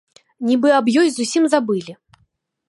Нібы аб ёй зусім забылі.